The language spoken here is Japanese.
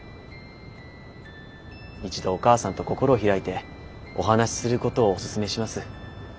一度お母さんと心を開いてお話しすることをおすすめします。